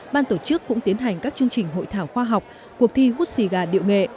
ban tổ chức cũng tiến hành các chương trình hội thảo khoa học cuộc thi hút siga điệu nghệ